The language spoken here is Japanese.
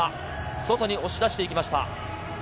外へ押し出していきました。